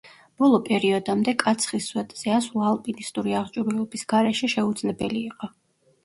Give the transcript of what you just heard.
ბოლო პერიოდამდე კაცხის სვეტზე ასვლა, ალპინისტური აღჭურვილობის გარეშე, შეუძლებელი იყო.